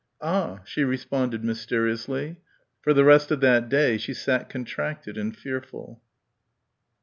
"Ah!" she responded mysteriously. For the rest of that day she sat contracted and fearful.